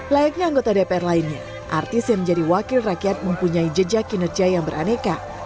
layaknya anggota dpr lainnya artis yang menjadi wakil rakyat mempunyai jejak kinerja yang beraneka